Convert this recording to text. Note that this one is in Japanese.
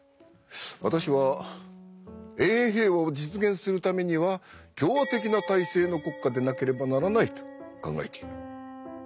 私は永遠平和を実現するためには共和的な体制の国家でなければならないと考えている。